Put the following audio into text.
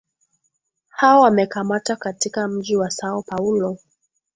hao wamekamatwa katika mji wa Sao Paulo